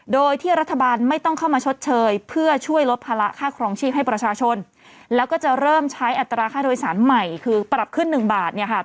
โดยที่รัฐบาลไม่ต้องเข้ามาชดเชยเพื่อช่วยลดภาระค่าครองชีพให้ประชาชนแล้วก็จะเริ่มใช้อัตราค่าโดยสารใหม่คือปรับขึ้นหนึ่งบาทเนี่ยค่ะ